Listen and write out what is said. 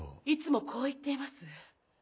いつもこう言っています。